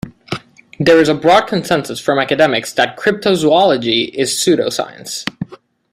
There is a broad consensus from academics that cryptozoology is a pseudoscience.